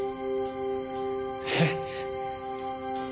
えっ？